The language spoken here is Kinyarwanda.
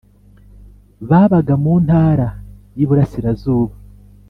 babaga mu ntara y Iburasirazuba